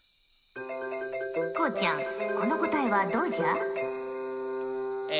こうちゃんこの答えはどうじゃ？え